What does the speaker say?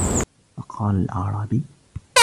فَقَالَ الْأَعْرَابِيُّ